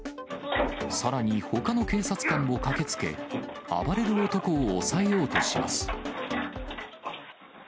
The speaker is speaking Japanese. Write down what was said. さらにほかの警察官も駆けつけ、暴れる男を押さえようとします。